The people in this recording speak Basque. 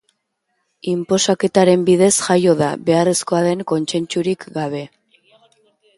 Inposaketaren bidez jaio da, beharrezkoa den kontsentsurik gabe.